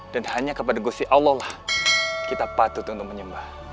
dan hanya kepada gusti allah kita patut untuk menyembah